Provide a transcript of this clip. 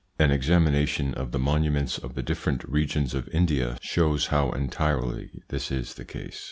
An examination of the monuments of the different regions of India shows how entirely this is the case.